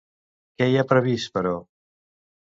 Què hi ha previst, però?